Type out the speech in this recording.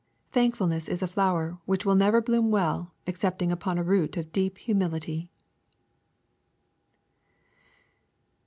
Thankfulness re a flower which will never bloom well excepting upon a root of deep humility.